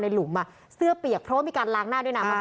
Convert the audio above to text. ในหลุมอะเสื้อเปียกเพราะมีการล้างหน้าด้วยน้ำมะเผา